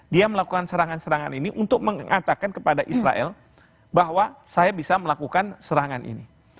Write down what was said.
dia melakukan serangan serangan ini untuk mengatakan kepada israel bahwa saya bisa melakukan serangan ini